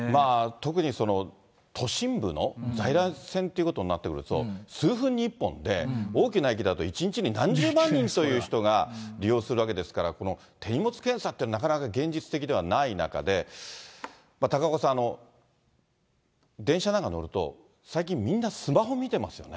特に都心部の在来線っていうことになってくると、数分に１本で、大きな駅だと１日に何十万人という人が利用するわけですから、この手荷物検査ってなかなか現実的ではない中で、高岡さん、電車なんか乗ると、最近、みんなスマホ見てますよね。